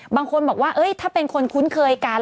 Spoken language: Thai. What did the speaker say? บางคนบอกว่าถ้าเป็นคนคุ้นเคยกัน